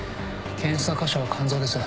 検査箇所は肝臓です。